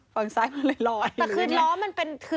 ฝั่งซายมันเล็ย